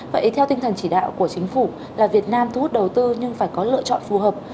vậy theo tinh thần chỉ đạo của chính phủ là việt nam thu hút đầu tư nhưng phải có lựa chọn phù hợp